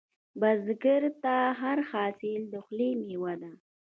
بزګر ته هر حاصل د خولې میوه ده